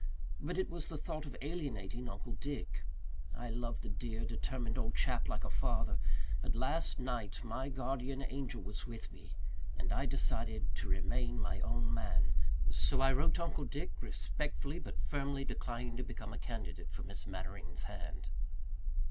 But it was the thought of alienating Uncle Dick. I love the dear, determined old chap like a father. But last night my guardian angel was with me and I decided to remain my own man. So I wrote to Uncle Dick, respectfully but firmly declining to become a candidate for Miss Mannering's hand."